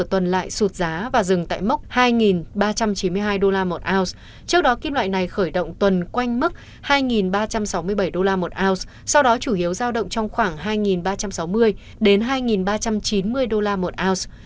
trước đó kim loại này khởi động tuần quanh mức hai ba trăm sáu mươi bảy đô la một ounce sau đó chủ yếu giao động trong khoảng hai ba trăm sáu mươi đến hai ba trăm chín mươi đô la một ounce